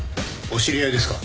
お知り合いですか？